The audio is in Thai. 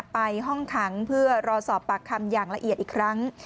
ไปห้องขังเพื่อรอสอบปากคำอย่างละเอียดอีกครั้ง